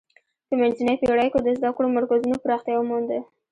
په منځنیو پیړیو کې د زده کړو مرکزونو پراختیا ومونده.